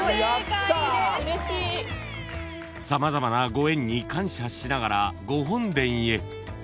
［様々なご縁に感謝しながらご本殿へ］